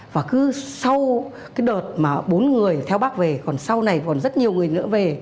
và cứ sau cái đợt mà bốn người theo bác về còn sau này còn rất nhiều người nữa về